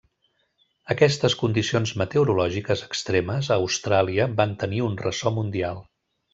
Aquestes condicions meteorològiques extremes a Austràlia van tenir un ressò mundial.